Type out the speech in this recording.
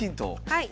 はい。